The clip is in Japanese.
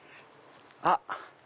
あっ！